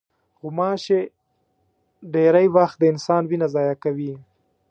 غوماشې ډېری وخت د انسان وینه ضایع کوي.